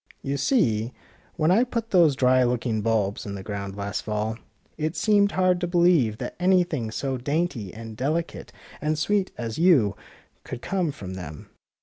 You see, w^hen I put those dry looking bulbs in the ground last fall, it seemed hard to believe that any thing so dainty and delicate and sweet as you could come from them."